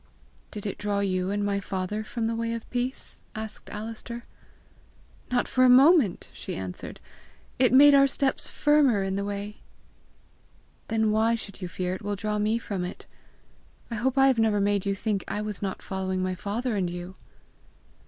"Did it draw you and my father from the way of peace?" asked Alister. "Not for a moment!" she answered. "It made our steps firmer in the way." "Then why should you fear it will draw me from it? I hope I have never made you think I was not following my father and you!"